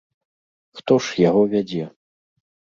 Хто ж яго вядзе?